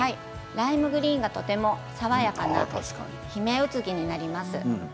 ライムグリーンがとても爽やかなヒメウツギになります。